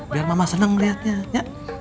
biar mama senang melihatnya ya